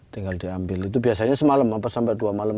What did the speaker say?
tinggal diambil itu biasanya semalam apa sampai dua malam tiga malam